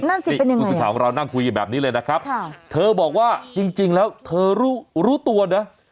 นั่นสิเป็นยังไงนี่กุศิภาของเรานั่งคุยแบบนี้เลยนะครับเธอบอกว่าจริงแล้วเธอรู้ตัวเนี่ย